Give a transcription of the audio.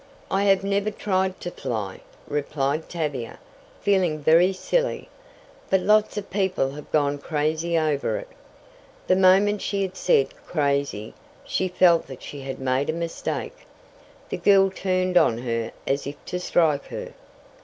"I have never tried to fly," replied Tavia, feeling very silly, "but lots of people have gone crazy over it." The moment she had said "crazy" she felt that she had made a mistake. The girl turned on her as if to strike her.